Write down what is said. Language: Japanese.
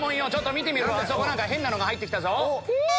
見てみろあそこ変なのが入ってきたぞ。